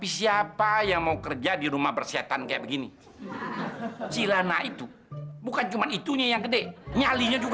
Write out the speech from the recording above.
sampai jumpa di video selanjutnya